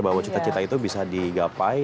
bahwa cita cita itu bisa digapai